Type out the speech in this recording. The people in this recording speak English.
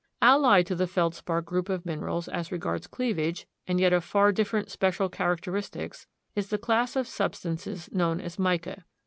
Allied to the feldspar group of minerals as regards cleavage, and yet of far different special characteristics is the class of substances known as mica.